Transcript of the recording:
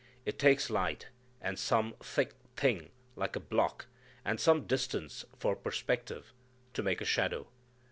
It takes light, and some thick thing like a block, and some distance for perspective, to make a shadow.